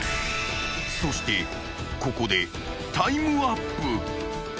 ［そしてここでタイムアップ］